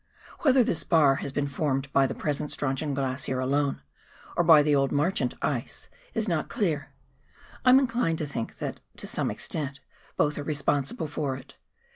Whether this bar has been formed by the present Strauchon Glacier alone, or by the old Marchant ice, is not clear ; I am inclined to think that to some extent both are responsible for it.